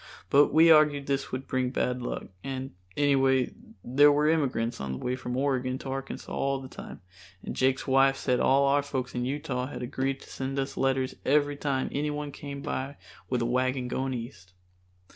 But we argued this would bring bad luck, and anyway there were immigrants on the way from Oregon to Arkansas all the time, and Jake's wife said all our folks in Utah had agreed to send us letters every time anyone came by with a team going east.